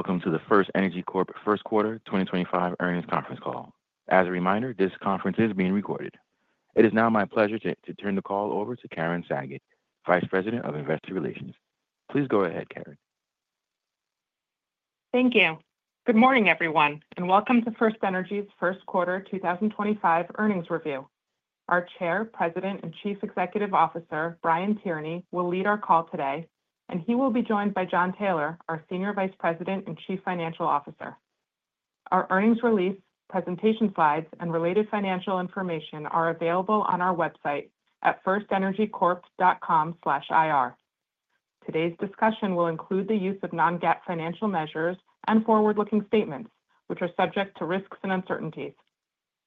Hello, and welcome to the FirstEnergy Corp. First Quarter 2025 Earnings Conference Call. As a reminder, this conference is being recorded. It is now my pleasure to turn the call over to Karen Sagot, Vice President of Investor Relations. Please go ahead, Karen. Thank you. Good morning, everyone, and welcome to FirstEnergy's first quarter 2025 earnings review. Our Chair, President, and Chief Executive Officer, Brian Tierney, will lead our call today, and he will be joined by Jon Taylor, our Senior Vice President and Chief Financial Officer. Our earnings release, presentation slides, and related financial information are available on our website at firstenergycorp.com/ir. Today's discussion will include the use of non-GAAP financial measures and forward-looking statements, which are subject to risks and uncertainties.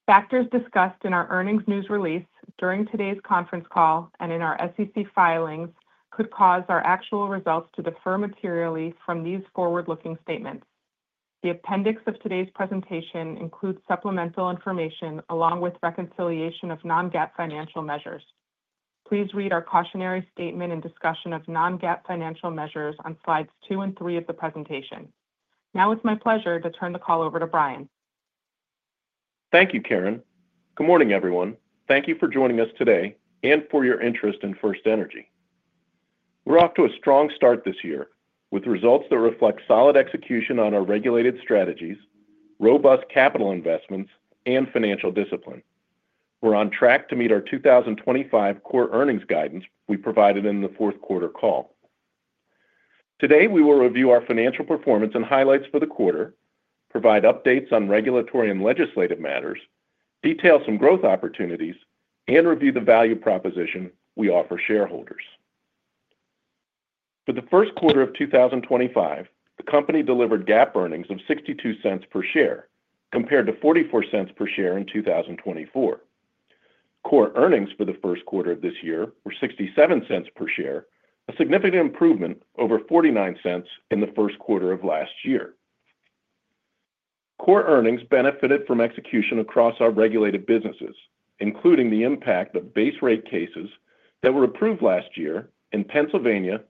Factors discussed in our earnings news release during today's conference call and in our SEC filings could cause our actual results to differ materially from these forward-looking statements. The appendix of today's presentation includes supplemental information along with reconciliation of non-GAAP financial measures. Please read our cautionary statement and discussion of non-GAAP financial measures on slides two and three of the presentation. Now it's my pleasure to turn the call over to Brian. Thank you, Karen. Good morning, everyone. Thank you for joining us today and for your interest in FirstEnergy. We're off to a strong start this year with results that reflect solid execution on our regulated strategies, robust capital investments, and financial discipline. We're on track to meet our 2025 core earnings guidance we provided in the fourth quarter call. Today, we will review our financial performance and highlights for the quarter, provide updates on regulatory and legislative matters, detail some growth opportunities, and review the value proposition we offer shareholders. For the first quarter of 2025, the company delivered GAAP earnings of $0.62 per share, compared to $0.44 per share in 2024. Core earnings for the first quarter of this year were $0.67 per share, a significant improvement over $0.49 in the first quarter of last year. Core earnings benefited from execution across our regulated businesses, including the impact of base rate cases that were approved last year in Pennsylvania,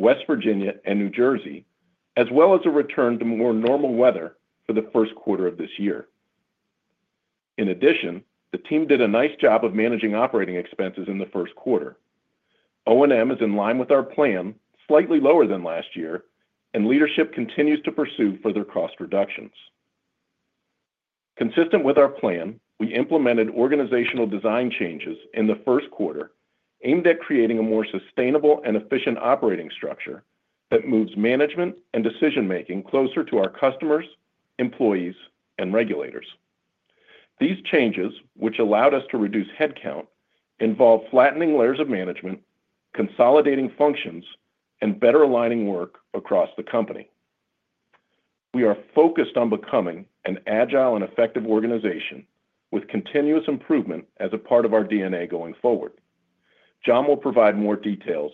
West Virginia, and New Jersey, as well as a return to more normal weather for the first quarter of this year. In addition, the team did a nice job of managing operating expenses in the first quarter. O&M is in line with our plan, slightly lower than last year, and leadership continues to pursue further cost reductions. Consistent with our plan, we implemented organizational design changes in the first quarter aimed at creating a more sustainable and efficient operating structure that moves management and decision-making closer to our customers, employees, and regulators. These changes, which allowed us to reduce headcount, involve flattening layers of management, consolidating functions, and better aligning work across the company. We are focused on becoming an agile and effective organization with continuous improvement as a part of our DNA going forward. Jon will provide more details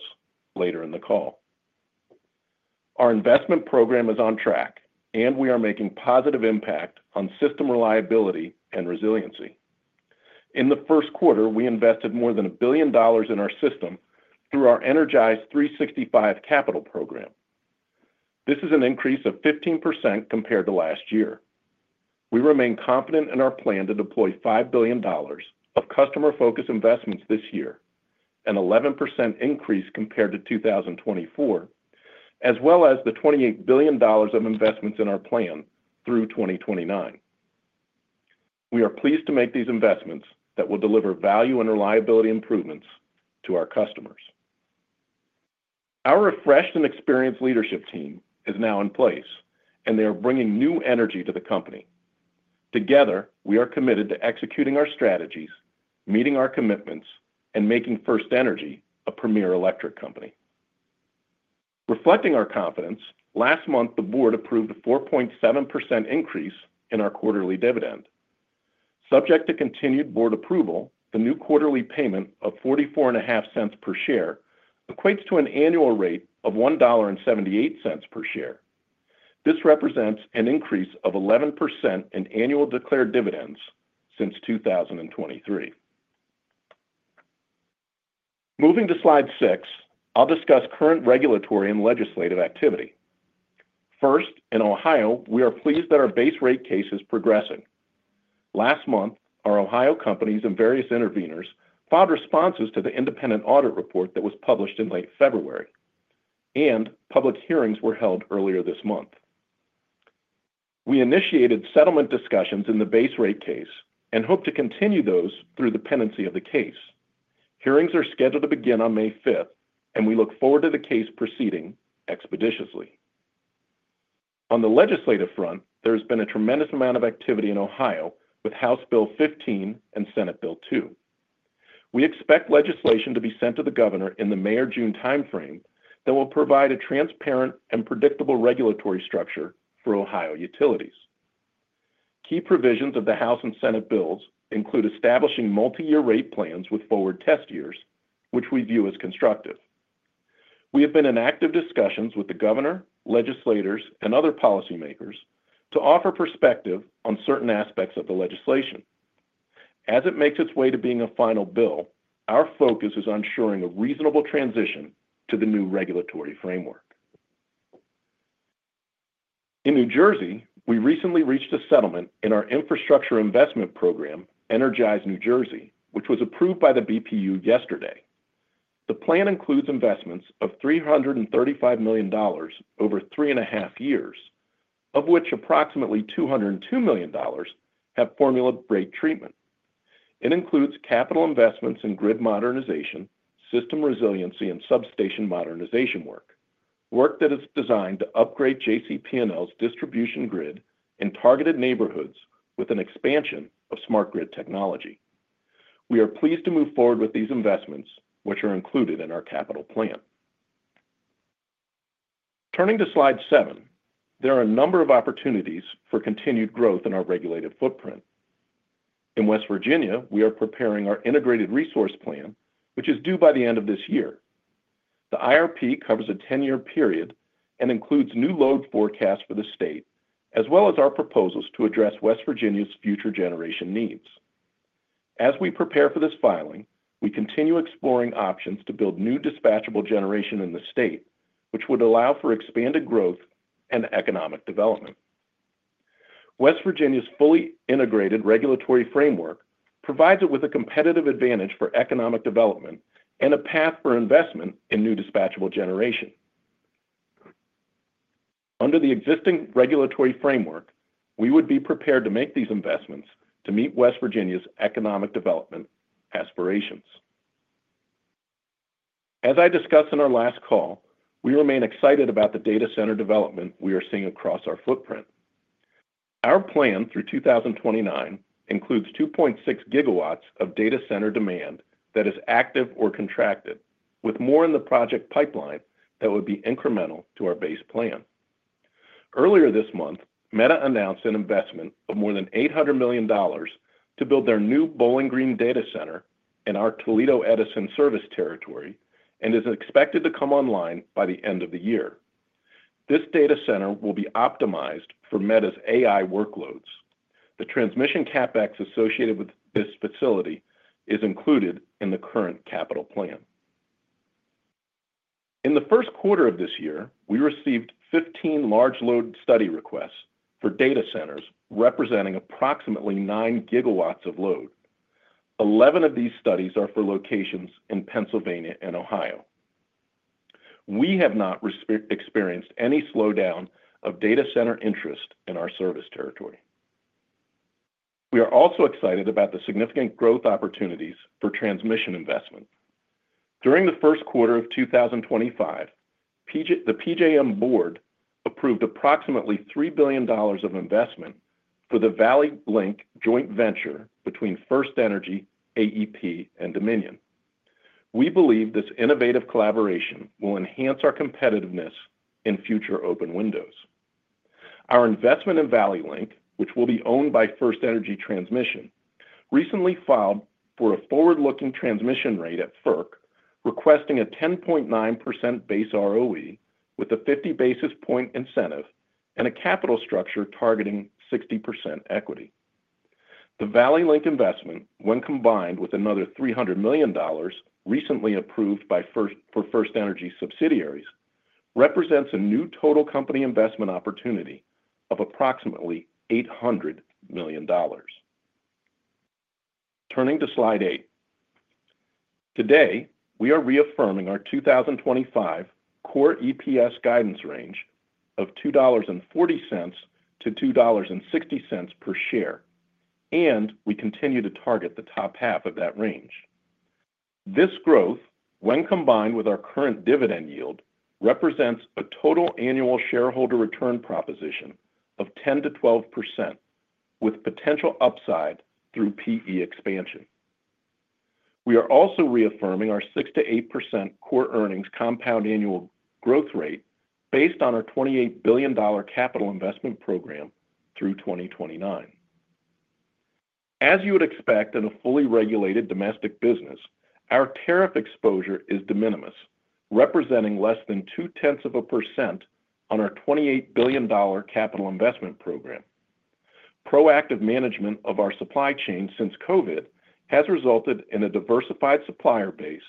later in the call. Our investment program is on track, and we are making a positive impact on system reliability and resiliency. In the first quarter, we invested more than $1 billion in our system through our Energize365 capital program. This is an increase of 15% compared to last year. We remain confident in our plan to deploy $5 billion of customer-focused investments this year, an 11% increase compared to 2024, as well as the $28 billion of investments in our plan through 2029. We are pleased to make these investments that will deliver value and reliability improvements to our customers. Our refreshed and experienced leadership team is now in place, and they are bringing new energy to the company. Together, we are committed to executing our strategies, meeting our commitments, and making FirstEnergy a premier electric company. Reflecting our confidence, last month, the board approved a 4.7% increase in our quarterly dividend. Subject to continued board approval, the new quarterly payment of $0.44 per share equates to an annual rate of $1.78 per share. This represents an increase of 11% in annual declared dividends since 2023. Moving to slide six, I'll discuss current regulatory and legislative activity. First, in Ohio, we are pleased that our base rate case is progressing. Last month, our Ohio companies and various intervenors filed responses to the independent audit report that was published in late February, and public hearings were held earlier this month. We initiated settlement discussions in the base rate case and hope to continue those through the pendency of the case. Hearings are scheduled to begin on May 5th, and we look forward to the case proceeding expeditiously. On the legislative front, there has been a tremendous amount of activity in Ohio with House Bill 15 and Senate Bill 2. We expect legislation to be sent to the governor in the May or June timeframe that will provide a transparent and predictable regulatory structure for Ohio utilities. Key provisions of the House and Senate bills include establishing multi-year rate plans with forward test years, which we view as constructive. We have been in active discussions with the governor, legislators, and other policymakers to offer perspective on certain aspects of the legislation. As it makes its way to being a final bill, our focus is on ensuring a reasonable transition to the new regulatory framework. In New Jersey, we recently reached a settlement in our infrastructure investment program, Energize New Jersey, which was approved by the BPU yesterday. The plan includes investments of $335 million over three and a half years, of which approximately $202 million have formula rate treatment. It includes capital investments in grid modernization, system resiliency, and substation modernization work, work that is designed to upgrade JCP&L's distribution grid in targeted neighborhoods with an expansion of smart grid technology. We are pleased to move forward with these investments, which are included in our capital plan. Turning to slide seven, there are a number of opportunities for continued growth in our regulated footprint. In West Virginia, we are preparing our integrated resource plan, which is due by the end of this year. The IRP covers a 10-year period and includes new load forecasts for the state, as well as our proposals to address West Virginia's future generation needs. As we prepare for this filing, we continue exploring options to build new dispatchable generation in the state, which would allow for expanded growth and economic development. West Virginia's fully integrated regulatory framework provides it with a competitive advantage for economic development and a path for investment in new dispatchable generation. Under the existing regulatory framework, we would be prepared to make these investments to meet West Virginia's economic development aspirations. As I discussed in our last call, we remain excited about the data center development we are seeing across our footprint. Our plan through 2029 includes 2.6 GW of data center demand that is active or contracted, with more in the project pipeline that would be incremental to our base plan. Earlier this month, Meta announced an investment of more than $800 million to build their new Bowling Green data center in our Toledo Edison service territory and is expected to come online by the end of the year. This data center will be optimized for Meta's AI workloads. The transmission CapEx associated with this facility is included in the current capital plan. In the first quarter of this year, we received 15 large load study requests for data centers representing approximately 9 gigawatts of load. Eleven of these studies are for locations in Pennsylvania and Ohio. We have not experienced any slowdown of data center interest in our service territory. We are also excited about the significant growth opportunities for transmission investment. During the first quarter of 2025, the PJM board approved approximately $3 billion of investment for the Valley Link joint venture between FirstEnergy, AEP, and Dominion. We believe this innovative collaboration will enhance our competitiveness in future open windows. Our investment in Valley Link, which will be owned by FirstEnergy Transmission, recently filed for a forward-looking transmission rate at FERC, requesting a 10.9% base ROE with a 50 basis point incentive and a capital structure targeting 60% equity. The Valley Link investment, when combined with another $300 million recently approved for FirstEnergy subsidiaries, represents a new total company investment opportunity of approximately $800 million. Turning to slide eight, today, we are reaffirming our 2025 core EPS guidance range of $2.40-$2.60 per share, and we continue to target the top half of that range. This growth, when combined with our current dividend yield, represents a total annual shareholder return proposition of 10%-12%, with potential upside through PE expansion. We are also reaffirming our 6%-8% core earnings compound annual growth rate based on our $28 billion capital investment program through 2029. As you would expect in a fully regulated domestic business, our tariff exposure is de minimis, representing less than 2% of a percent on our $28 billion capital investment program. Proactive management of our supply chain since COVID has resulted in a diversified supplier base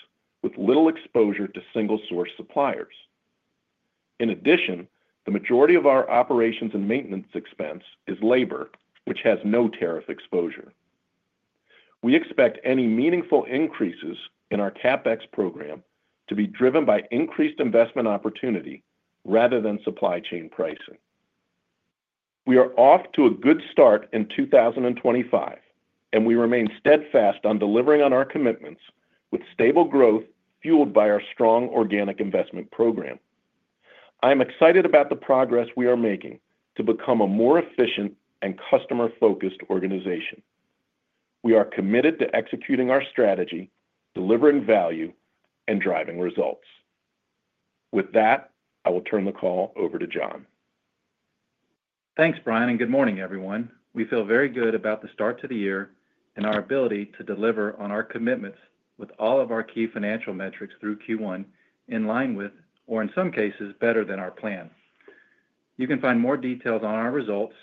with little exposure to single-source suppliers. In addition, the majority of our operations and maintenance expense is labor, which has no tariff exposure. We expect any meaningful increases in our CapEx program to be driven by increased investment opportunity rather than supply chain pricing. We are off to a good start in 2025, and we remain steadfast on delivering on our commitments with stable growth fueled by our strong organic investment program. I am excited about the progress we are making to become a more efficient and customer-focused organization. We are committed to executing our strategy, delivering value, and driving results. With that, I will turn the call over to Jon. Thanks, Brian, and good morning, everyone. We feel very good about the start to the year and our ability to deliver on our commitments with all of our key financial metrics through Q1 in line with, or in some cases, better than our plan. You can find more details on our results,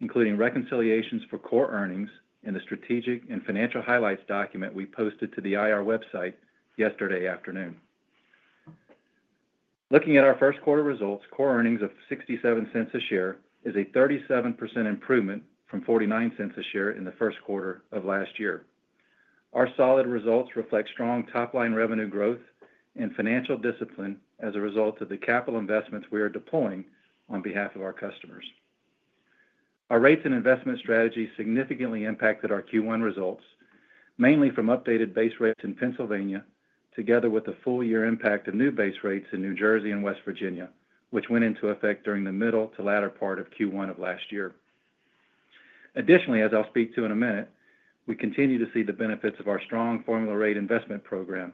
including reconciliations for core earnings in the strategic and financial highlights document we posted to the IR website yesterday afternoon. Looking at our first quarter results, core earnings of $0.67 a share is a 37% improvement from $0.49 a share in the first quarter of last year. Our solid results reflect strong top-line revenue growth and financial discipline as a result of the capital investments we are deploying on behalf of our customers. Our rates and investment strategy significantly impacted our Q1 results, mainly from updated base rates in Pennsylvania, together with the full-year impact of new base rates in New Jersey and West Virginia, which went into effect during the middle to latter part of Q1 of last year. Additionally, as I'll speak to in a minute, we continue to see the benefits of our strong formula rate investment program,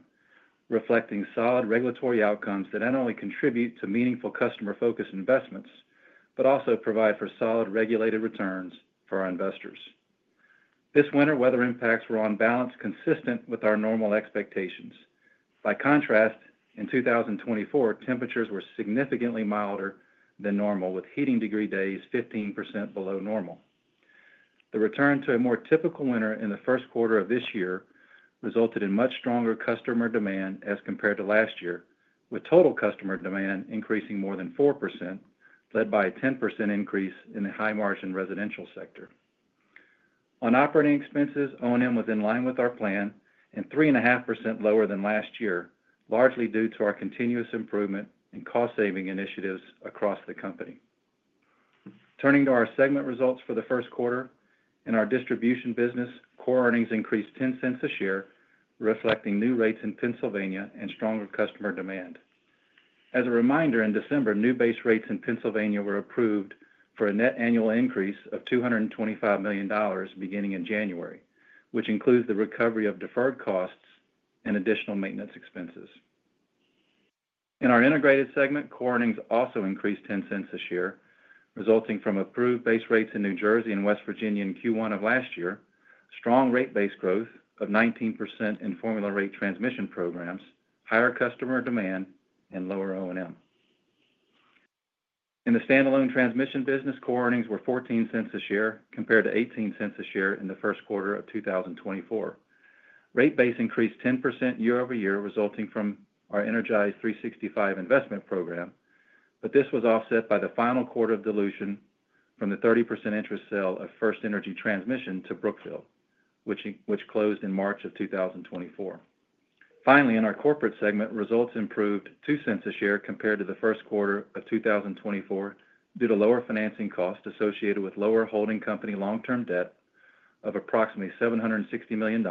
reflecting solid regulatory outcomes that not only contribute to meaningful customer-focused investments, but also provide for solid regulated returns for our investors. This winter, weather impacts were on balance consistent with our normal expectations. By contrast, in 2024, temperatures were significantly milder than normal, with heating degree days 15% below normal. The return to a more typical winter in the first quarter of this year resulted in much stronger customer demand as compared to last year, with total customer demand increasing more than 4%, led by a 10% increase in the high-margin residential sector. On operating expenses, O&M was in line with our plan and 3.5% lower than last year, largely due to our continuous improvement and cost-saving initiatives across the company. Turning to our segment results for the first quarter, in our distribution business, core earnings increased $0.10 a share, reflecting new rates in Pennsylvania and stronger customer demand. As a reminder, in December, new base rates in Pennsylvania were approved for a net annual increase of $225 million beginning in January, which includes the recovery of deferred costs and additional maintenance expenses. In our integrated segment, core earnings also increased $0.10 a share, resulting from approved base rates in New Jersey and West Virginia in Q1 of last year, strong rate-based growth of 19% in formula rate transmission programs, higher customer demand, and lower O&M. In the standalone transmission business, core earnings were $0.14 a share compared to $0.18 a share in the first quarter of 2024. Rate base increased 10% year over year, resulting from our Energize365 investment program, but this was offset by the final quarter of dilution from the 30% interest sale of FirstEnergy Transmission to Brookfield, which closed in March of 2024. Finally, in our corporate segment, results improved $0.02 a share compared to the first quarter of 2024 due to lower financing costs associated with lower holding company long-term debt of approximately $760 million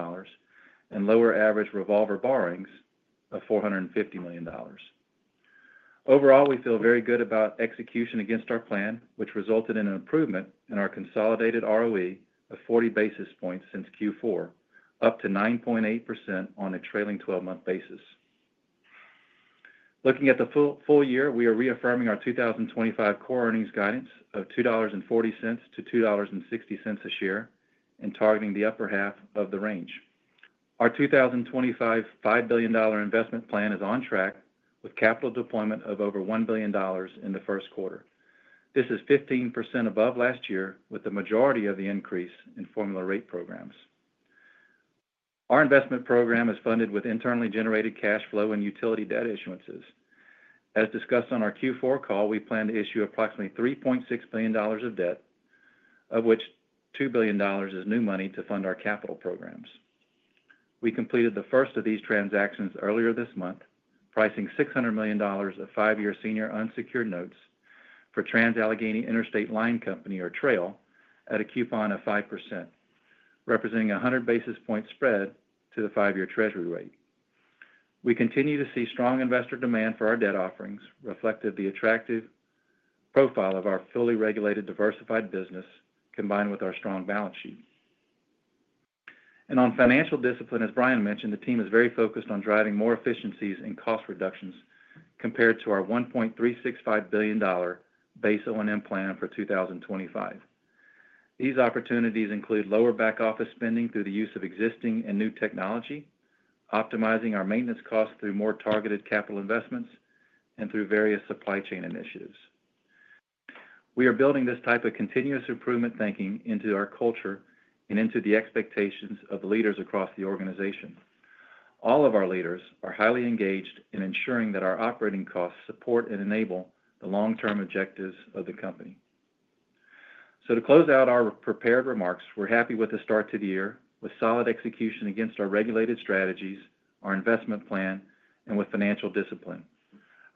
and lower average revolver borrowings of $450 million. Overall, we feel very good about execution against our plan, which resulted in an improvement in our consolidated ROE of 40 basis points since Q4, up to 9.8% on a trailing 12-month basis. Looking at the full year, we are reaffirming our 2025 core earnings guidance of $2.40-$2.60 a share and targeting the upper half of the range. Our 2025 $5 billion investment plan is on track with capital deployment of over $1 billion in the first quarter. This is 15% above last year, with the majority of the increase in formula rate programs. Our investment program is funded with internally generated cash flow and utility debt issuances. As discussed on our Q4 call, we plan to issue approximately $3.6 billion of debt, of which $2 billion is new money to fund our capital programs. We completed the first of these transactions earlier this month, pricing $600 million of five-year senior unsecured notes for Trans-Allegheny Interstate Line Company or TRAIL at a coupon of 5%, representing a 100 basis point spread to the five-year Treasury rate. We continue to see strong investor demand for our debt offerings, reflected the attractive profile of our fully regulated diversified business combined with our strong balance sheet. On financial discipline, as Brian mentioned, the team is very focused on driving more efficiencies and cost reductions compared to our $1.365 billion base O&M plan for 2025. These opportunities include lower back-office spending through the use of existing and new technology, optimizing our maintenance costs through more targeted capital investments and through various supply chain initiatives. We are building this type of continuous improvement thinking into our culture and into the expectations of leaders across the organization. All of our leaders are highly engaged in ensuring that our operating costs support and enable the long-term objectives of the company. To close out our prepared remarks, we're happy with the start to the year with solid execution against our regulated strategies, our investment plan, and with financial discipline.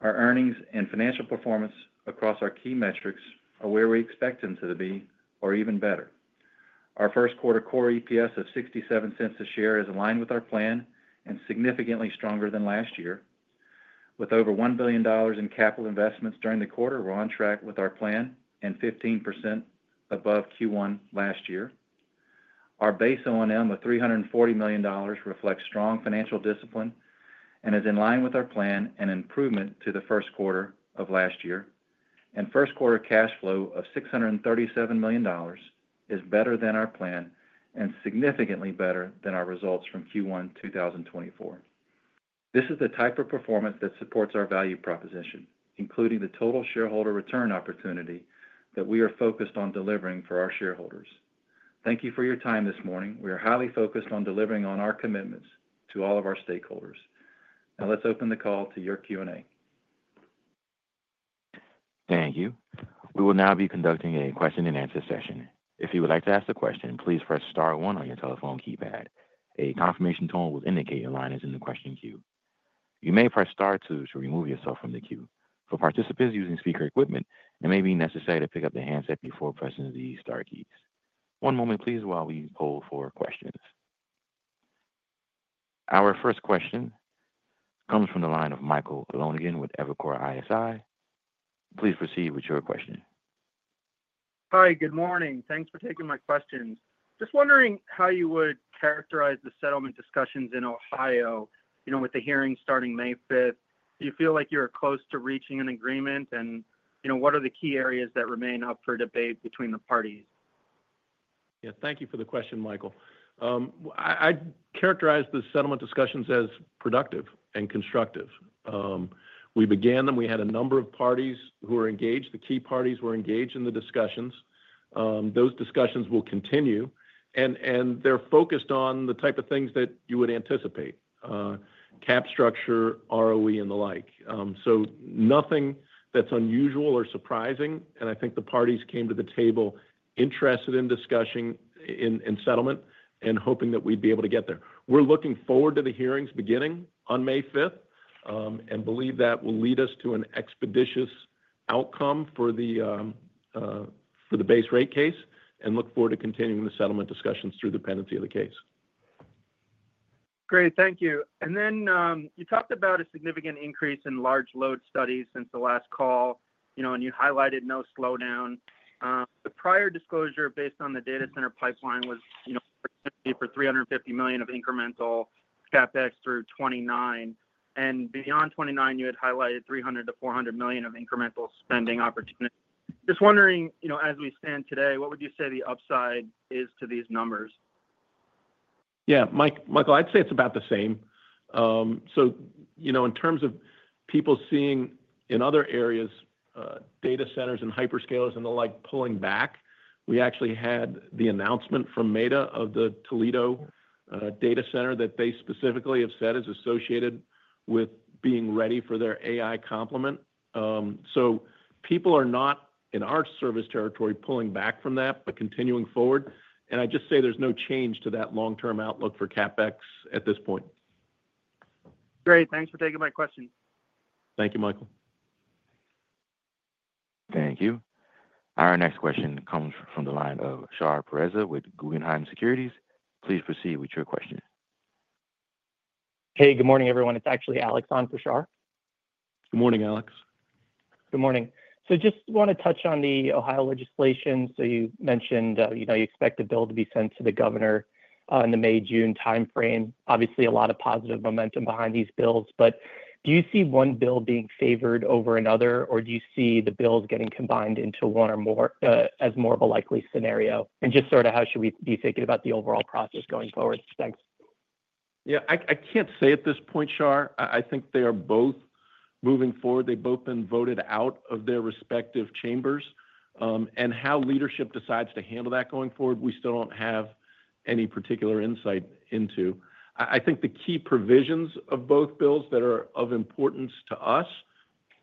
Our earnings and financial performance across our key metrics are where we expect them to be or even better. Our first quarter core EPS of $0.67 a share is aligned with our plan and significantly stronger than last year. With over $1 billion in capital investments during the quarter, we're on track with our plan and 15% above Q1 last year. Our base O&M of $340 million reflects strong financial discipline and is in line with our plan and improvement to the first quarter of last year. First quarter cash flow of $637 million is better than our plan and significantly better than our results from Q1 2024. This is the type of performance that supports our value proposition, including the total shareholder return opportunity that we are focused on delivering for our shareholders. Thank you for your time this morning. We are highly focused on delivering on our commitments to all of our stakeholders. Now, let's open the call to your Q&A. Thank you. We will now be conducting a question-and-answer session. If you would like to ask a question, please press star one on your telephone keypad. A confirmation tone will indicate your line is in the question queue. You may press star two to remove yourself from the queue. For participants using speaker equipment, it may be necessary to pick up the handset before pressing the star keys. One moment, please, while we hold for questions. Our first question comes from the line of Michael Lonegan with Evercore ISI. Please proceed with your question. Hi, good morning. Thanks for taking my questions. Just wondering how you would characterize the settlement discussions in Ohio, you know, with the hearings starting May 5th. Do you feel like you're close to reaching an agreement? You know, what are the key areas that remain up for debate between the parties? Yeah, thank you for the question, Michael. I'd characterize the settlement discussions as productive and constructive. We began them. We had a number of parties who were engaged. The key parties were engaged in the discussions. Those discussions will continue, and they're focused on the type of things that you would anticipate: cap structure, ROE, and the like. Nothing that's unusual or surprising. I think the parties came to the table interested in discussion and settlement and hoping that we'd be able to get there. We're looking forward to the hearings beginning on May 5th and believe that will lead us to an expeditious outcome for the base rate case and look forward to continuing the settlement discussions through the pendency of the case. Great. Thank you. You talked about a significant increase in large load studies since the last call, you know, and you highlighted no slowdown. The prior disclosure based on the data center pipeline was, you know, for $350 million of incremental CapEx through 2029. Beyond 2029, you had highlighted $300 million-$400 million of incremental spending opportunity. Just wondering, you know, as we stand today, what would you say the upside is to these numbers? Yeah, Michael, I'd say it's about the same. You know, in terms of people seeing in other areas, data centers and hyperscalers and the like, pulling back, we actually had the announcement from Meta of the Toledo data center that they specifically have said is associated with being ready for their AI complement. People are not, in our service territory, pulling back from that, but continuing forward. I just say there's no change to that long-term outlook for CapEx at this point. Great. Thanks for taking my question. Thank you, Michael. Thank you. Our next question comes from the line of Shar Pourreza with Guggenheim Securities. Please proceed with your question. Hey, good morning, everyone. It's actually Alex on for Shar. Good morning, Alex. Good morning. Just want to touch on the Ohio legislation. You mentioned, you know, you expect a bill to be sent to the governor in the May-June timeframe. Obviously, a lot of positive momentum behind these bills. Do you see one bill being favored over another, or do you see the bills getting combined into one or more as more of a likely scenario? Just sort of how should we be thinking about the overall process going forward? Thanks. Yeah, I can't say at this point, Shar. I think they are both moving forward. They've both been voted out of their respective chambers. How leadership decides to handle that going forward, we still don't have any particular insight into. I think the key provisions of both bills that are of importance to us,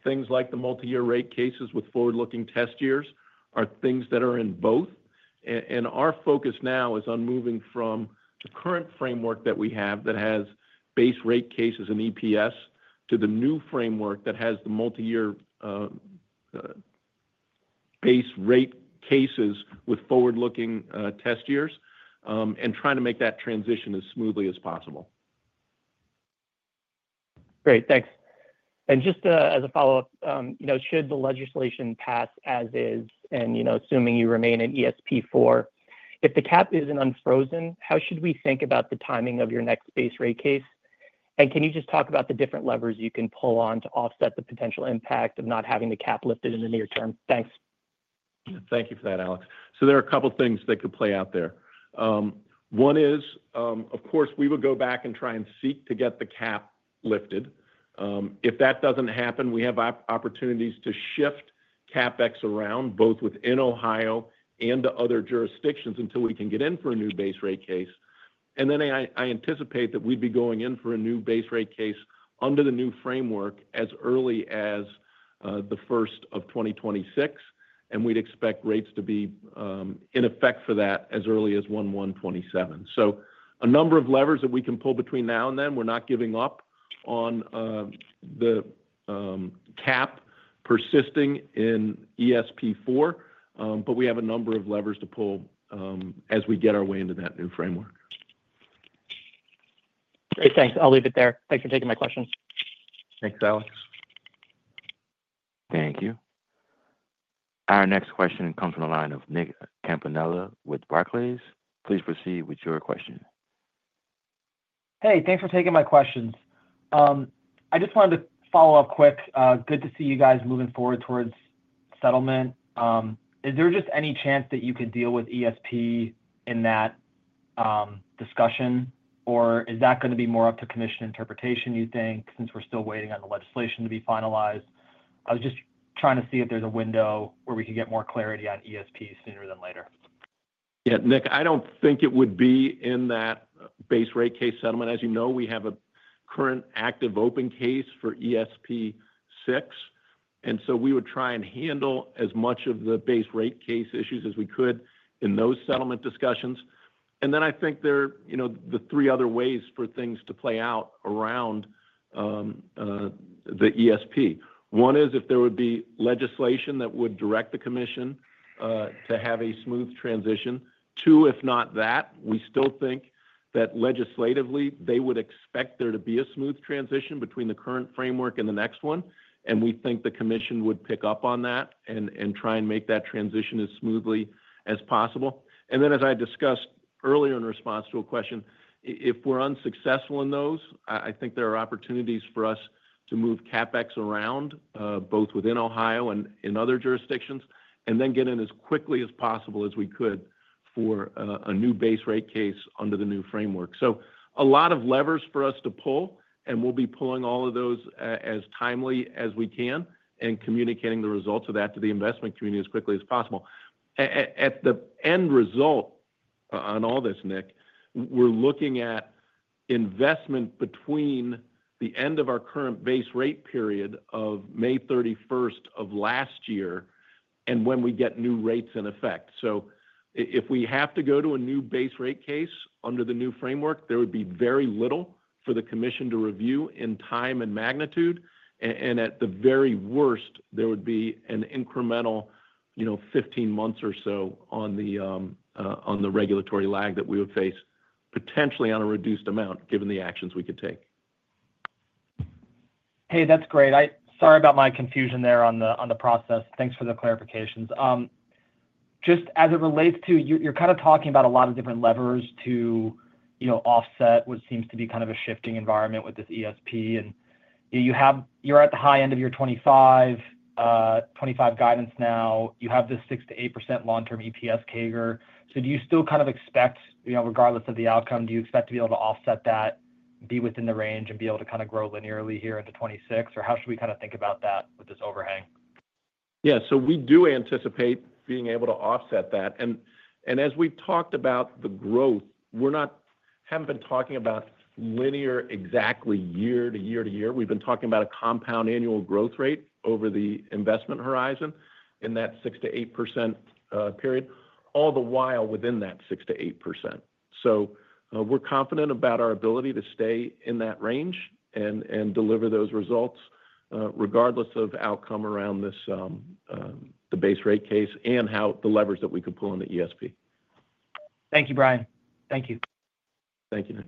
things like the multi-year rate cases with forward-looking test years, are things that are in both. Our focus now is on moving from the current framework that we have that has base rate cases and EPS to the new framework that has the multi-year base rate cases with forward-looking test years and trying to make that transition as smoothly as possible. Great. Thanks. Just as a follow-up, you know, should the legislation pass as is, and, you know, assuming you remain in ESP4, if the cap isn't unfrozen, how should we think about the timing of your next base rate case? Can you just talk about the different levers you can pull on to offset the potential impact of not having the cap lifted in the near term? Thanks. Yeah, thank you for that, Alex. There are a couple of things that could play out there. One is, of course, we would go back and try and seek to get the cap lifted. If that does not happen, we have opportunities to shift CapEx around both within Ohio and to other jurisdictions until we can get in for a new base rate case. I anticipate that we would be going in for a new base rate case under the new framework as early as the 1st of 2026. We would expect rates to be in effect for that as early as 1/1/2027. A number of levers that we can pull between now and then. We are not giving up on the cap persisting in ESP4, but we have a number of levers to pull as we get our way into that new framework. Great. Thanks. I'll leave it there. Thanks for taking my questions. Thanks, Alex. Thank you. Our next question comes from the line of Nick Campanella with Barclays. Please proceed with your question. Hey, thanks for taking my questions. I just wanted to follow up quick. Good to see you guys moving forward towards settlement. Is there just any chance that you could deal with ESP in that discussion, or is that going to be more up to Commission interpretation, you think, since we're still waiting on the legislation to be finalized? I was just trying to see if there's a window where we could get more clarity on ESP sooner than later. Yeah, Nick, I do not think it would be in that base rate case settlement. As you know, we have a current active open case for ESP6. We would try and handle as much of the base rate case issues as we could in those settlement discussions. I think there are, you know, the three other ways for things to play out around the ESP. One is if there would be legislation that would direct the commission to have a smooth transition. Two, if not that, we still think that legislatively they would expect there to be a smooth transition between the current framework and the next one. We think the commission would pick up on that and try and make that transition as smoothly as possible. As I discussed earlier in response to a question, if we're unsuccessful in those, I think there are opportunities for us to move CapEx around both within Ohio and in other jurisdictions and then get in as quickly as possible as we could for a new base rate case under the new framework. A lot of levers for us to pull, and we'll be pulling all of those as timely as we can and communicating the results of that to the investment community as quickly as possible. The end result on all this, Nick, we're looking at investment between the end of our current base rate period of May 31st of last year and when we get new rates in effect. If we have to go to a new base rate case under the new framework, there would be very little for the commission to review in time and magnitude. At the very worst, there would be an incremental, you know, 15 months or so on the regulatory lag that we would face, potentially on a reduced amount given the actions we could take. Hey, that's great. I'm sorry about my confusion there on the process. Thanks for the clarifications. Just as it relates to, you're kind of talking about a lot of different levers to, you know, offset what seems to be kind of a shifting environment with this ESP. And you have you're at the high end of your 2025 guidance now. You have this 6%-8% long-term EPS CAGR. So do you still kind of expect, you know, regardless of the outcome, do you expect to be able to offset that, be within the range, and be able to kind of grow linearly here into 2026? Or how should we kind of think about that with this overhang? Yeah, we do anticipate being able to offset that. As we've talked about the growth, we haven't been talking about linear exactly year to year to year. We've been talking about a compound annual growth rate over the investment horizon in that 6%-8% period, all the while within that 6%-8%. We're confident about our ability to stay in that range and deliver those results regardless of outcome around the base rate case and the levers that we could pull on the ESP. Thank you, Brian. Thank you. Thank you, Nick.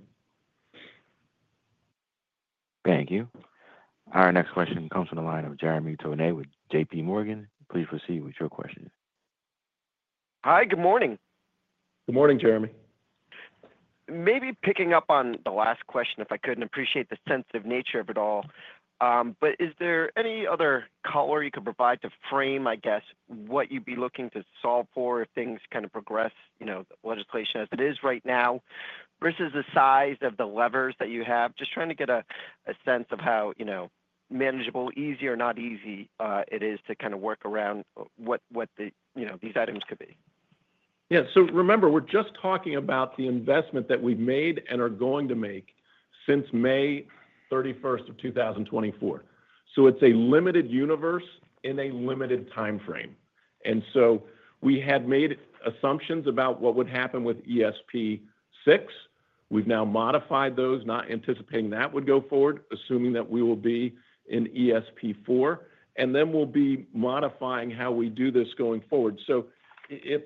Thank you. Our next question comes from the line of Jeremy Tonet with JPMorgan. Please proceed with your question. Hi, good morning. Good morning, Jeremy. Maybe picking up on the last question, if I could appreciate the sense of nature of it all. Is there any other color you could provide to frame, I guess, what you'd be looking to solve for if things kind of progress, you know, legislation as it is right now versus the size of the levers that you have? Just trying to get a sense of how, you know, manageable, easy or not easy it is to kind of work around what the, you know, these items could be. Yeah. Remember, we're just talking about the investment that we've made and are going to make since May 31st, 2024. It is a limited universe in a limited timeframe. We had made assumptions about what would happen with ESP6. We've now modified those, not anticipating that would go forward, assuming that we will be in ESP4. We will be modifying how we do this going forward. It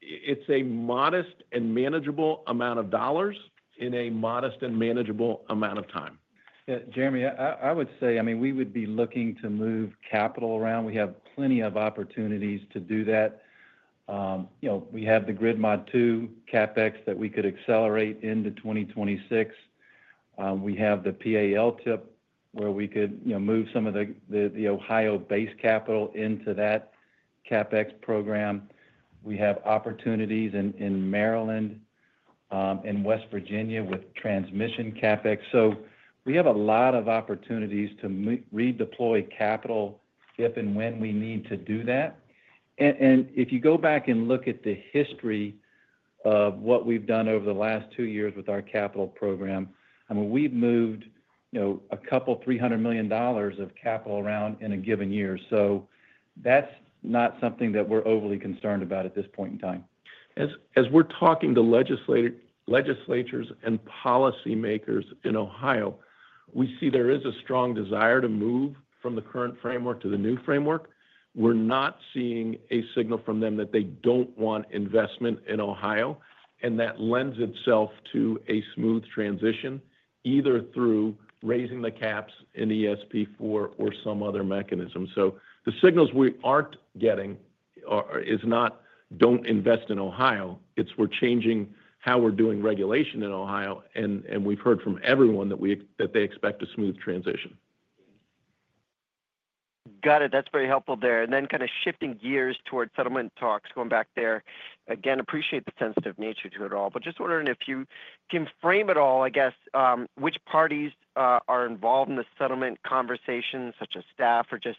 is a modest and manageable amount of dollars in a modest and manageable amount of time. Jeremy, I would say, I mean, we would be looking to move capital around. We have plenty of opportunities to do that. You know, we have the Grid Mod II CapEx that we could accelerate into 2026. We have the PA LTIIP where we could, you know, move some of the Ohio-based capital into that CapEx program. We have opportunities in Maryland and West Virginia with transmission CapEx. We have a lot of opportunities to redeploy capital if and when we need to do that. If you go back and look at the history of what we've done over the last two years with our capital program, I mean, we've moved, you know, a couple of $300 million of capital around in a given year. That's not something that we're overly concerned about at this point in time. As we're talking to legislators and policymakers in Ohio, we see there is a strong desire to move from the current framework to the new framework. We're not seeing a signal from them that they don't want investment in Ohio. That lends itself to a smooth transition either through raising the caps in ESP4 or some other mechanism. The signals we aren't getting are not, "Don't invest in Ohio." It's we're changing how we're doing regulation in Ohio. We've heard from everyone that they expect a smooth transition. Got it. That's very helpful there. Kind of shifting gears towards settlement talks going back there. Again, appreciate the sensitive nature to it all. Just wondering if you can frame it all, I guess, which parties are involved in the settlement conversation, such as staff, or just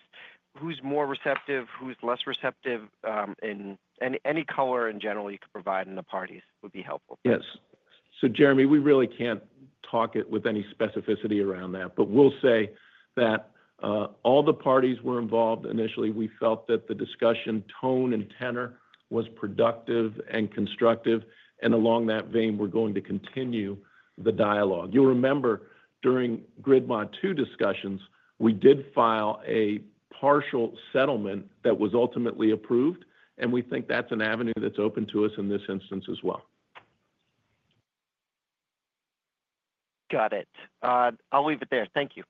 who's more receptive, who's less receptive, and any color in general you could provide in the parties would be helpful. Yes. Jeremy, we really can't talk with any specificity around that. We'll say that all the parties were involved initially. We felt that the discussion tone and tenor was productive and constructive. Along that vein, we're going to continue the dialogue. You'll remember during Grid Mod II discussions, we did file a partial settlement that was ultimately approved. We think that's an avenue that's open to us in this instance as well. Got it. I'll leave it there. Thank you.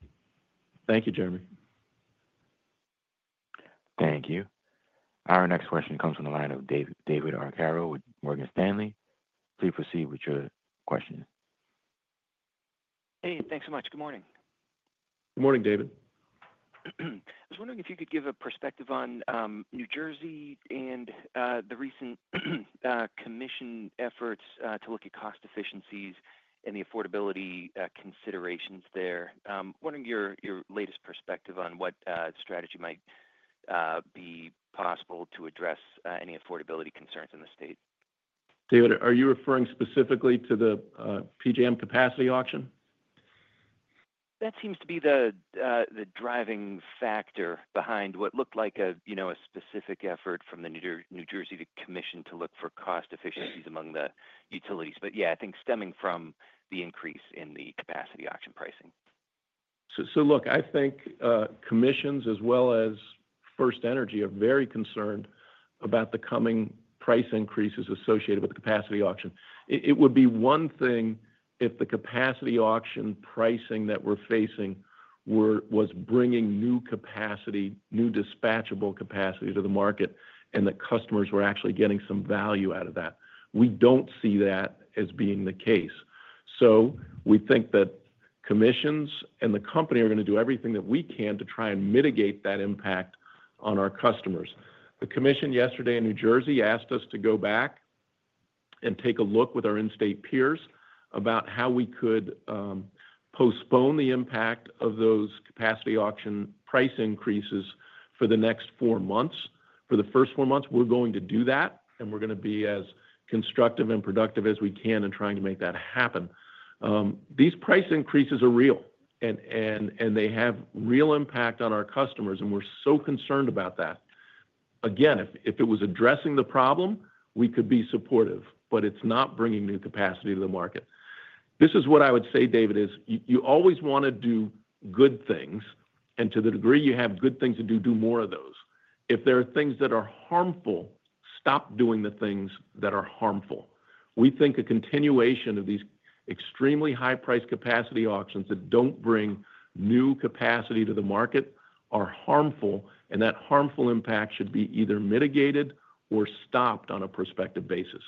Thank you, Jeremy. Thank you. Our next question comes from the line of David Arcaro with Morgan Stanley. Please proceed with your question. Hey, thanks so much. Good morning. Good morning, David. I was wondering if you could give a perspective on New Jersey and the recent commission efforts to look at cost efficiencies and the affordability considerations there. I'm wondering your latest perspective on what strategy might be possible to address any affordability concerns in the state. David, are you referring specifically to the PJM capacity auction? That seems to be the driving factor behind what looked like a, you know, a specific effort from the New Jersey commission to look for cost efficiencies among the utilities. Yeah, I think stemming from the increase in the capacity auction pricing. I think commissions as well as FirstEnergy are very concerned about the coming price increases associated with the capacity auction. It would be one thing if the capacity auction pricing that we're facing was bringing new capacity, new dispatchable capacity to the market, and that customers were actually getting some value out of that. We don't see that as being the case. We think that commissions and the company are going to do everything that we can to try and mitigate that impact on our customers. The commission yesterday in New Jersey asked us to go back and take a look with our in-state peers about how we could postpone the impact of those capacity auction price increases for the next four months. For the first four months, we're going to do that. We're going to be as constructive and productive as we can in trying to make that happen. These price increases are real. They have real impact on our customers. We're so concerned about that. Again, if it was addressing the problem, we could be supportive. It's not bringing new capacity to the market. This is what I would say, David, you always want to do good things. To the degree you have good things to do, do more of those. If there are things that are harmful, stop doing the things that are harmful. We think a continuation of these extremely high-priced capacity auctions that do not bring new capacity to the market are harmful. That harmful impact should be either mitigated or stopped on a prospective basis.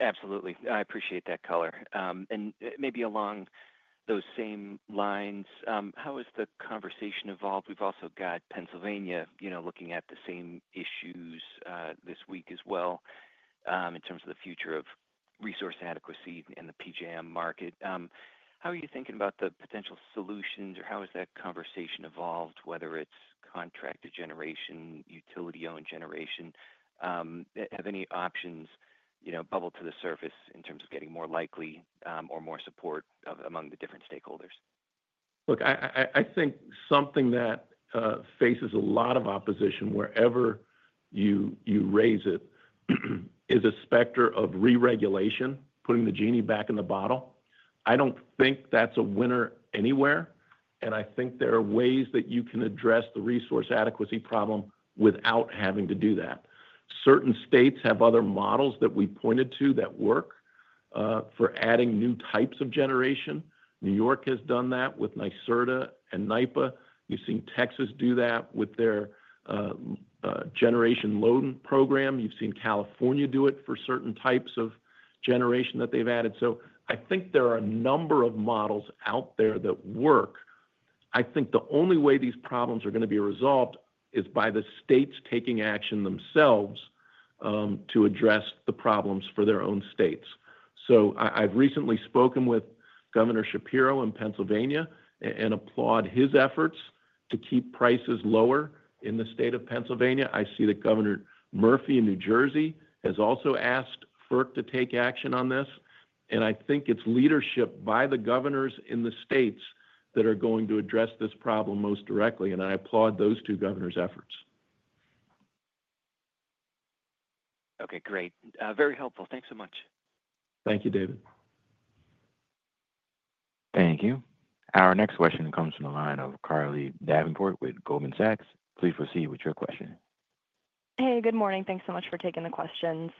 Absolutely. I appreciate that color. Maybe along those same lines, how has the conversation evolved? We've also got Pennsylvania, you know, looking at the same issues this week as well in terms of the future of resource adequacy and the PJM market. How are you thinking about the potential solutions? Or how has that conversation evolved, whether it's contracted generation, utility-owned generation? Have any options, you know, bubbled to the surface in terms of getting more likely or more support among the different stakeholders? Look, I think something that faces a lot of opposition wherever you raise it is a specter of re-regulation, putting the genie back in the bottle. I do not think that's a winner anywhere. I think there are ways that you can address the resource adequacy problem without having to do that. Certain states have other models that we pointed to that work for adding new types of generation. New York has done that with NYSERDA and NYPA. You've seen Texas do that with their generation load program. You've seen California do it for certain types of generation that they've added. I think there are a number of models out there that work. I think the only way these problems are going to be resolved is by the states taking action themselves to address the problems for their own states. I've recently spoken with Governor Shapiro in Pennsylvania and applaud his efforts to keep prices lower in the state of Pennsylvania. I see that Governor Murphy in New Jersey has also asked FERC to take action on this. I think it's leadership by the governors in the states that are going to address this problem most directly. I applaud those two governors' efforts. Okay. Great. Very helpful. Thanks so much. Thank you, David. Thank you. Our next question comes from the line of Carly Davenport with Goldman Sachs. Please proceed with your question. Hey, good morning. Thanks so much for taking the questions.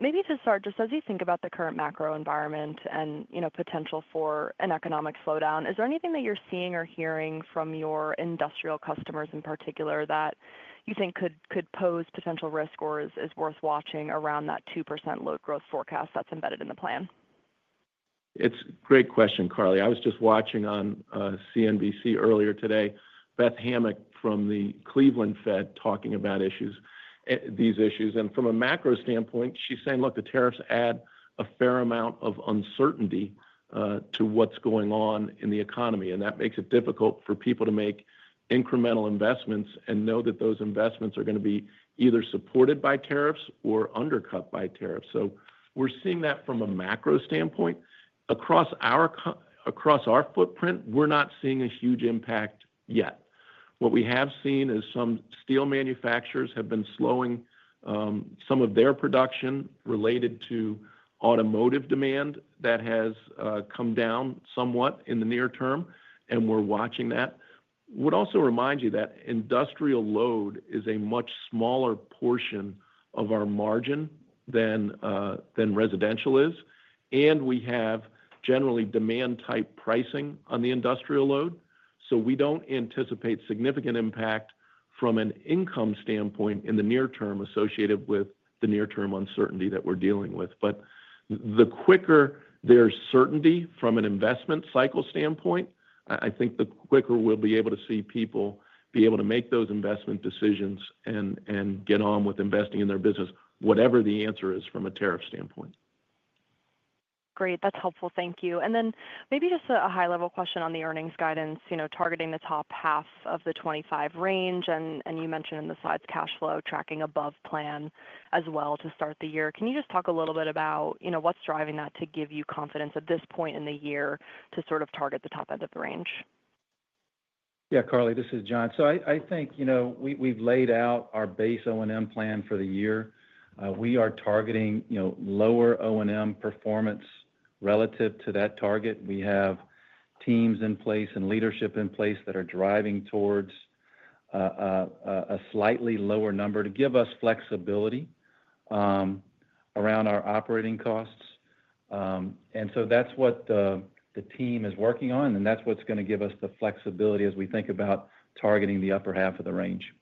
Maybe to start, just as you think about the current macro environment and, you know, potential for an economic slowdown, is there anything that you're seeing or hearing from your industrial customers in particular that you think could pose potential risk or is worth watching around that 2% load growth forecast that's embedded in the plan? It's a great question, Carly. I was just watching on CNBC earlier today, Beth Hammack from the Cleveland Fed talking about issues, these issues. From a macro standpoint, she's saying, look, the tariffs add a fair amount of uncertainty to what's going on in the economy. That makes it difficult for people to make incremental investments and know that those investments are going to be either supported by tariffs or undercut by tariffs. We're seeing that from a macro standpoint. Across our footprint, we're not seeing a huge impact yet. What we have seen is some steel manufacturers have been slowing some of their production related to automotive demand that has come down somewhat in the near term. We're watching that. I would also remind you that industrial load is a much smaller portion of our margin than residential is. We have generally demand-type pricing on the industrial load. We do not anticipate significant impact from an income standpoint in the near term associated with the near-term uncertainty that we are dealing with. The quicker there is certainty from an investment cycle standpoint, I think the quicker we will be able to see people be able to make those investment decisions and get on with investing in their business, whatever the answer is from a tariff standpoint. Great. That's helpful. Thank you. Maybe just a high-level question on the earnings guidance, you know, targeting the top half of the 2025 range. You mentioned in the slides cash flow tracking above plan as well to start the year. Can you just talk a little bit about, you know, what's driving that to give you confidence at this point in the year to sort of target the top end of the range? Yeah, Carly, this is Jon. I think, you know, we've laid out our base O&M plan for the year. We are targeting, you know, lower O&M performance relative to that target. We have teams in place and leadership in place that are driving towards a slightly lower number to give us flexibility around our operating costs. That is what the team is working on. That is what is going to give us the flexibility as we think about targeting the upper half of the range.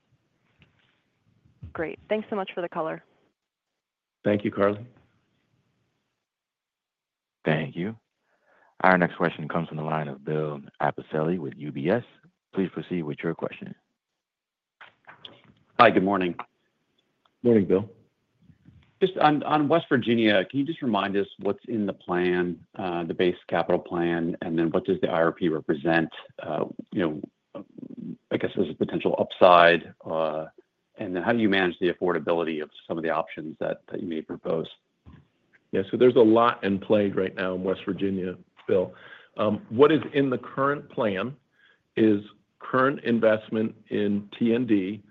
Great. Thanks so much for the color. Thank you, Carly. Thank you. Our next question comes from the line of Bill Appicelli with UBS. Please proceed with your question. Hi, good morning. Morning, Bill. Just on West Virginia, can you just remind us what's in the plan, the base capital plan, and then what does the IRP represent, you know, I guess, as a potential upside? And then how do you manage the affordability of some of the options that you may propose? Yeah. There is a lot in play right now in West Virginia, Bill. What is in the current plan is current investment in T&D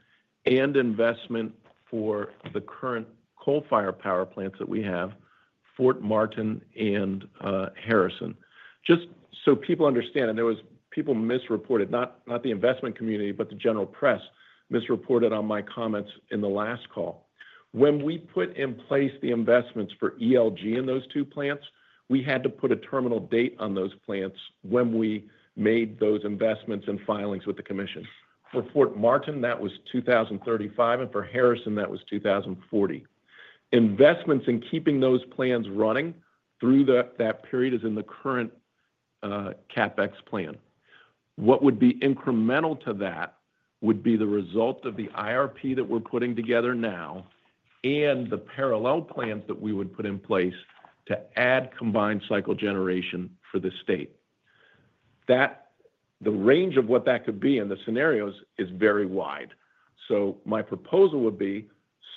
and investment for the current coal-fired power plants that we have, Fort Martin and Harrison. Just so people understand, and there were people who misreported, not the investment community, but the general press misreported on my comments in the last call. When we put in place the investments for ELG in those two plants, we had to put a terminal date on those plants when we made those investments and filings with the commission. For Fort Martin, that was 2035. For Harrison, that was 2040. Investments in keeping those plants running through that period is in the current CapEx plan. What would be incremental to that would be the result of the IRP that we're putting together now and the parallel plans that we would put in place to add combined cycle generation for the state. That the range of what that could be and the scenarios is very wide. My proposal would be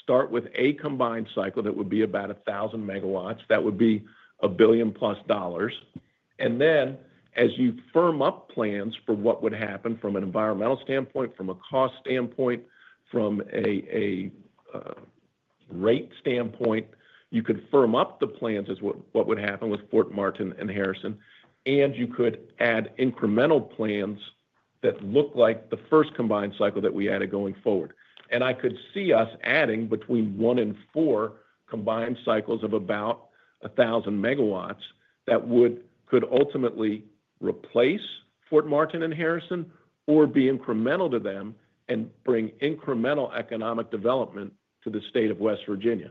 start with a combined cycle that would be about 1,000 MW. That would be a 1 billion+ dollars. As you firm up plans for what would happen from an environmental standpoint, from a cost standpoint, from a rate standpoint, you could firm up the plans as what would happen with Fort Martin and Harrison. You could add incremental plans that look like the first combined cycle that we added going forward. I could see us adding between one and four combined cycles of about 1,000 MW that could ultimately replace Fort Martin and Harrison or be incremental to them and bring incremental economic development to the state of West Virginia.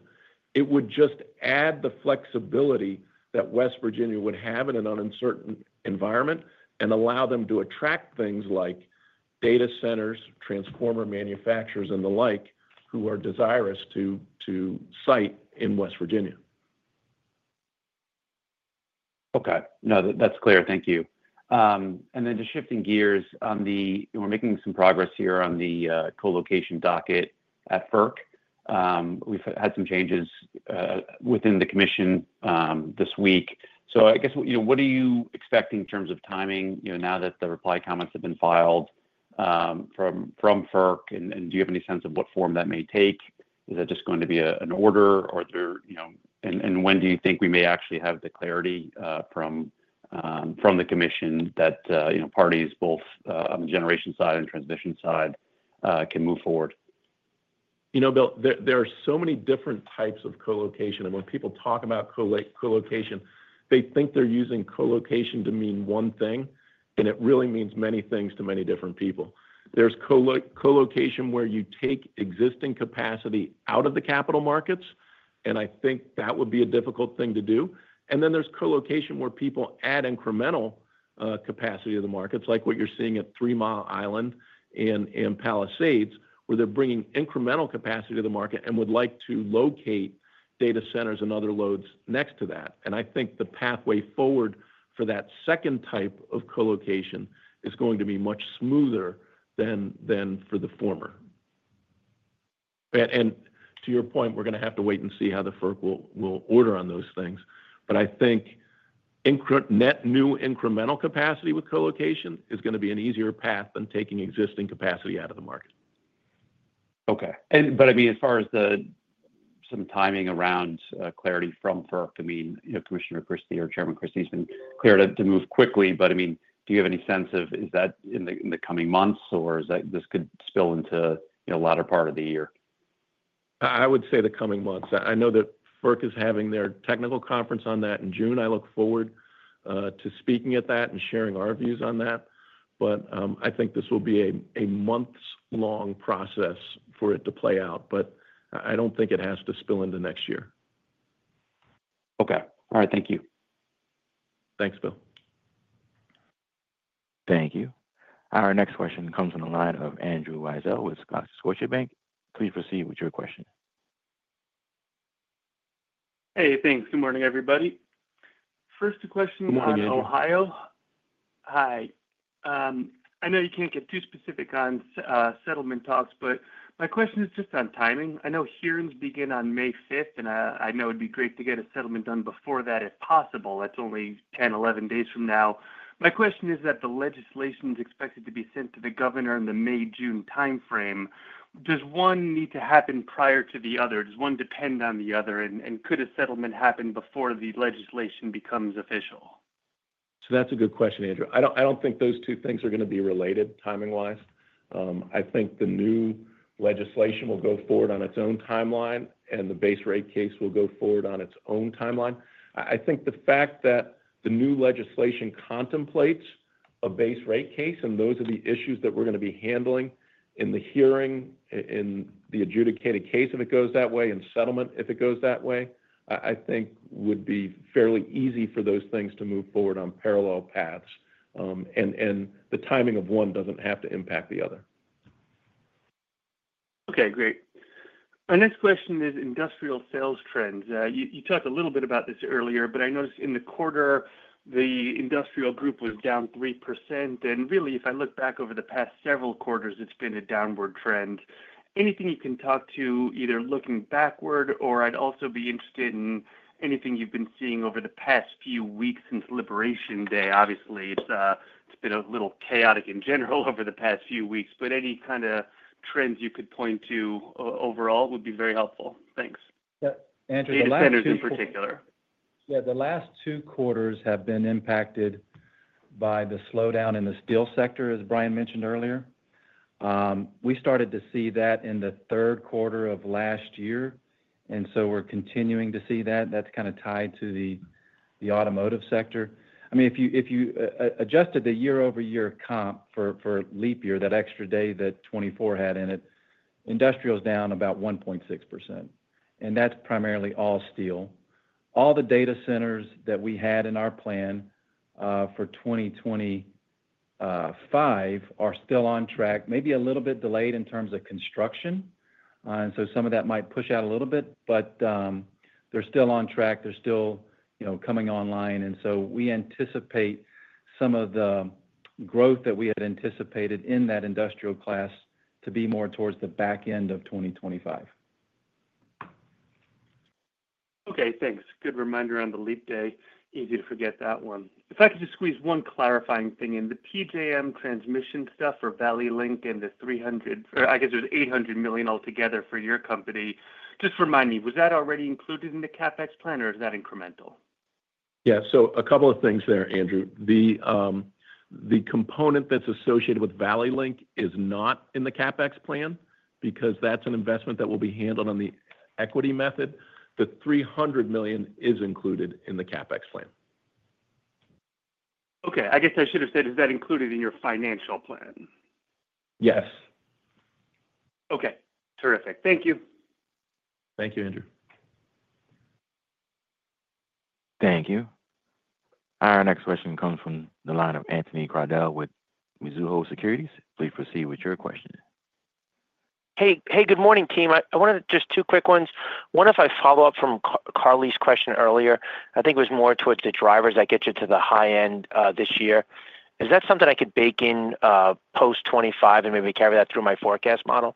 It would just add the flexibility that West Virginia would have in an uncertain environment and allow them to attract things like data centers, transformer manufacturers, and the like who are desirous to site in West Virginia. Okay. No, that's clear. Thank you. Then just shifting gears, we're making some progress here on the co-location docket at FERC. We've had some changes within the commission this week. I guess, you know, what are you expecting in terms of timing, you know, now that the reply comments have been filed from FERC? Do you have any sense of what form that may take? Is that just going to be an order? Are there, you know, and when do you think we may actually have the clarity from the commission that, you know, parties both on the generation side and transmission side can move forward? You know, Bill, there are so many different types of co-location. And when people talk about co-location, they think they're using co-location to mean one thing. It really means many things to many different people. There's co-location where you take existing capacity out of the capital markets. I think that would be a difficult thing to do. Then there's co-location where people add incremental capacity to the markets, like what you're seeing at Three Mile Island and Palisades, where they're bringing incremental capacity to the market and would like to locate data centers and other loads next to that. I think the pathway forward for that second type of co-location is going to be much smoother than for the former. To your point, we're going to have to wait and see how the FERC will order on those things. I think net new incremental capacity with co-location is going to be an easier path than taking existing capacity out of the market. Okay. I mean, as far as the some timing around clarity from FERC, I mean, you know, Commissioner Christie or Chairman Christie's been clear to move quickly. I mean, do you have any sense of is that in the coming months? Or is that this could spill into, you know, latter part of the year? I would say the coming months. I know that FERC is having their technical conference on that in June. I look forward to speaking at that and sharing our views on that. I think this will be a months-long process for it to play out. I don't think it has to spill into next year. Okay. All right. Thank you. Thanks, Bill. Thank you. Our next question comes from the line of Andrew Weisel with Scotiabank. Please proceed with your question. Hey, thanks. Good morning, everybody. First, a question about Ohio. Morning. Hi. I know you can't get too specific on settlement talks, but my question is just on timing. I know hearings begin on May 5th. I know it'd be great to get a settlement done before that, if possible. That's only 10, 11 days from now. My question is that the legislation is expected to be sent to the governor in the May/June timeframe. Does one need to happen prior to the other? Does one depend on the other? Could a settlement happen before the legislation becomes official? That's a good question, Andrew. I don't think those two things are going to be related timing-wise. I think the new legislation will go forward on its own timeline. The base rate case will go forward on its own timeline. I think the fact that the new legislation contemplates a base rate case, and those are the issues that we're going to be handling in the hearing, in the adjudicated case if it goes that way, in settlement if it goes that way, I think would be fairly easy for those things to move forward on parallel paths. The timing of one doesn't have to impact the other. Okay. Great. Our next question is industrial sales trends. You talked a little bit about this earlier, but I noticed in the quarter, the industrial group was down 3%. And really, if I look back over the past several quarters, it's been a downward trend. Anything you can talk to, either looking backward? I'd also be interested in anything you've been seeing over the past few weeks since Liberation Day. Obviously, it's been a little chaotic in general over the past few weeks. Any kind of trends you could point to overall would be very helpful. Thanks. Yeah. Andrew, the last two quarters. Yeah, the last two quarters have been impacted by the slowdown in the steel sector, as Brian mentioned earlier. We started to see that in the third quarter of last year. We are continuing to see that. That is kind of tied to the automotive sector. I mean, if you adjusted the year-over-year comp for leap year, that extra day that 2024 had in it, industrial is down about 1.6%. That is primarily all steel. All the data centers that we had in our plan for 2025 are still on track, maybe a little bit delayed in terms of construction. Some of that might push out a little bit. They are still on track. They are still, you know, coming online. We anticipate some of the growth that we had anticipated in that industrial class to be more towards the back end of 2025. Okay, thanks. Good reminder on the Leap Day. Easy to forget that one. If I could just squeeze one clarifying thing in, the PJM transmission stuff for Valley Link and the $300 million, or I guess it was $800 million altogether for your company, just remind me, was that already included in the CapEx plan? Or is that incremental? Yeah. A couple of things there, Andrew. The component that's associated with Valley Link is not in the CapEx plan because that's an investment that will be handled on the equity method. The $300 million is included in the CapEx plan. Okay. I guess I should have said, is that included in your financial plan? Yes. Okay. Terrific. Thank you. Thank you, Andrew. Thank you. Our next question comes from the line of Anthony Crowdell with Mizuho Securities. Please proceed with your question. Hey, hey, good morning, team. I wanted just two quick ones. One, if I follow up from Carly's question earlier, I think it was more towards the drivers that get you to the high end this year. Is that something I could bake in post 2025 and maybe carry that through my forecast model?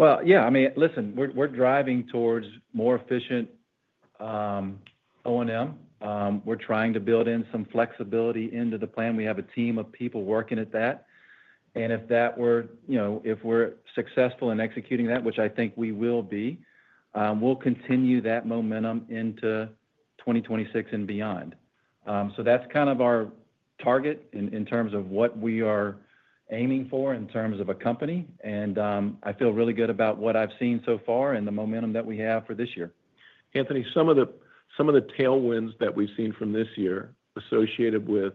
I mean, listen, we're driving towards more efficient O&M. We're trying to build in some flexibility into the plan. We have a team of people working at that. If we're successful in executing that, which I think we will be, we'll continue that momentum into 2026 and beyond. That's kind of our target in terms of what we are aiming for in terms of a company. I feel really good about what I've seen so far and the momentum that we have for this year. Anthony, some of the tailwinds that we've seen from this year associated with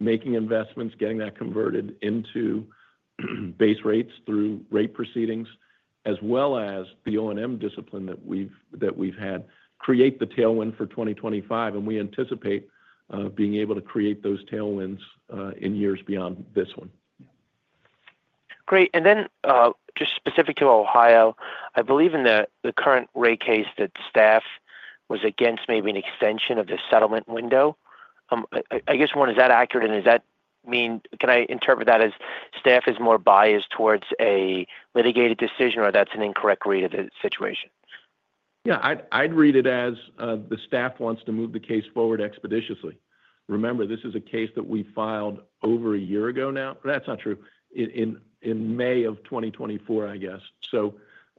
making investments, getting that converted into base rates through rate proceedings, as well as the O&M discipline that we've had create the tailwind for 2025. We anticipate being able to create those tailwinds in years beyond this one. Great. Just specific to Ohio, I believe in the current rate case that staff was against maybe an extension of the settlement window. I guess, one, is that accurate? Does that mean can I interpret that as staff is more biased towards a litigated decision? Or is that an incorrect read of the situation? Yeah. I'd read it as the staff wants to move the case forward expeditiously. Remember, this is a case that we filed over a year ago now. That's not true. In May of 2024, I guess.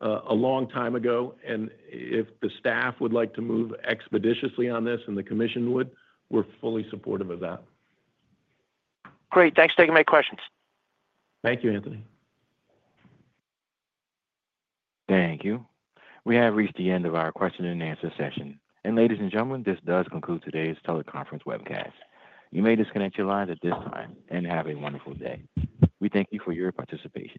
A long time ago. If the staff would like to move expeditiously on this and the commission would, we're fully supportive of that. Great. Thanks for taking my questions. Thank you, Anthony. Thank you. We have reached the end of our question and answer session. Ladies and gentlemen, this does conclude today's teleconference webcast. You may disconnect your lines at this time and have a wonderful day. We thank you for your participation.